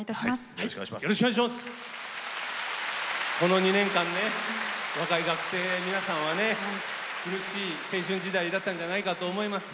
この２年間若い学生の皆さんは苦しい青春時代だったんじゃないかと思います。